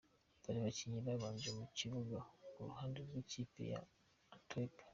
Dore abakinnyi babanje mu kibuga ku ruhande rw’ikipe ya Antwerp :.